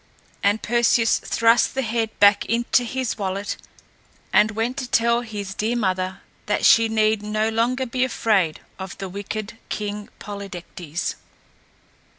And Perseus thrust the head back into his wallet and went to tell his dear mother that she need no longer be afraid of the wicked King Polydectes.